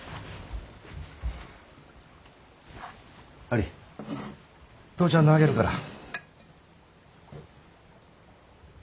アリ父ちゃんのあげるから。